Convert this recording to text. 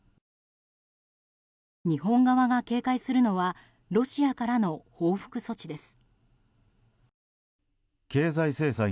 日本側が警戒するのはロシアからの報復措置です。